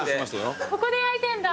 ここで焼いてんだ。